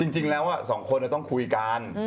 จริงแล้วสองคนต้องคุยกัน